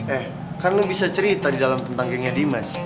eh kan lo bisa cerita di dalam tentang gengnya dimas